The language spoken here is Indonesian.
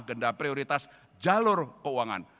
genda prioritas jalur keuangan